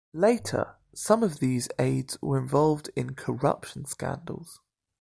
Later, some of these aides were involved in corruption scandals.